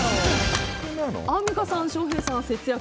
アンミカさん、翔平さん、節約。